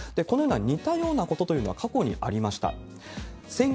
このような似たようなことというのは過去にありました。